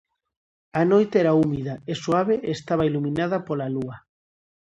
A noite era húmida e suave e estaba iluminada pola lúa.